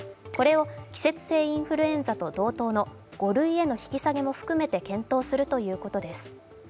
これを季節性インフルエンザと同等の５類への引き下げも含めて検討するということです。